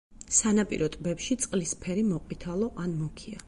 სანაპირო ტბებში წყლის ფერი მოყვითალო ან მუქია.